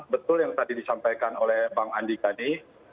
betul yang tadi disampaikan oleh bang andi tadi